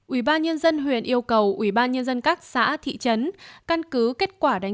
ubnd huyện yêu cầu ubnd các xã thị trấn